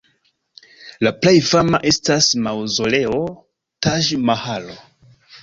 La plej fama estas maŭzoleo Taĝ-Mahalo.